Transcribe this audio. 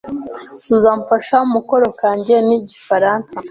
Uzamfasha mukoro kanjye k'igifaransa?